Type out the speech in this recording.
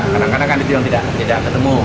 kadang kadang kan itu yang tidak ketemu